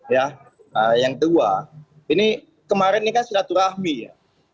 ya yang kedua ini kemarin ini kan silaturahmi ya